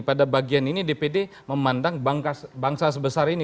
pada bagian ini dpd memandang bangsa sebesar ini